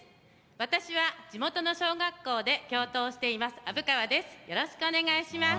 私は、地元の小学校で教頭をしています虻川です。